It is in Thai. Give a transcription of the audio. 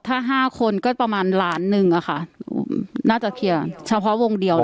ถ้า๕คนก็ประมาณล้านหนึ่งอะค่ะน่าจะเคลียร์เฉพาะวงเดียว